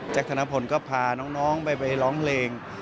ธนพลก็พาน้องไปร้องเพลง